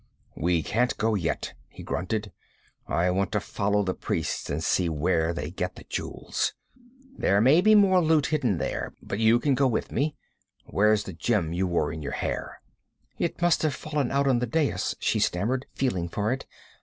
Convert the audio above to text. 'We can't go yet,' he grunted. 'I want to follow the priests and see where they get the jewels. There may be more loot hidden there. But you can go with me. Where's the gem you wore in your hair?' 'It must have fallen out on the dais,' she stammered, feeling for it.